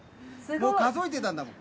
数えてたんだもん。